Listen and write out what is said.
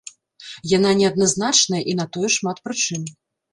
Яна не адназначная, і на тое шмат прычын.